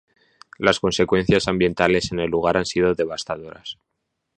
Las consecuencias ambientales en el lugar han sido devastadoras.